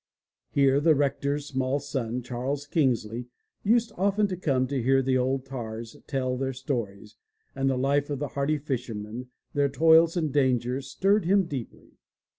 Here the rector's small son, Charles Kingsley, used often to come to hear the old tars tell their stories, and the life of the hardy fishermen, their toils and dangers stirred him deeply.